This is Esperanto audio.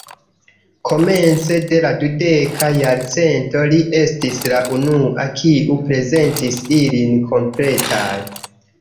Komence de la dudeka jarcento li estis la unua, kiu prezentis ilin kompletaj.